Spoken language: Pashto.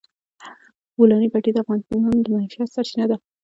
د بولان پټي د افغانانو د معیشت سرچینه ده.